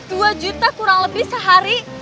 dua juta kurang lebih sehari